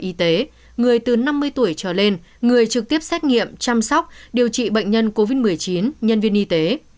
bộ y tế đề nghị sở y tế người từ năm mươi tuổi trở lên người trực tiếp xét nghiệm chăm sóc điều trị bệnh nhân covid một mươi chín nhân viên y tế